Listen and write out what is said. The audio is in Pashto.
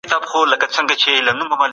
انسان د تقوی اړتيا لري.